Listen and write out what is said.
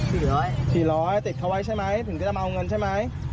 สี่ร้อยสี่ร้อยติดเขาไว้ใช่ไหมถึงจะมาเอาเงินใช่ไหม